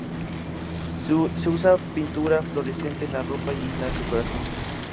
Se usa pintura fluorescente en la ropa y en las decoraciones.